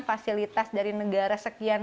fasilitas dari negara sekian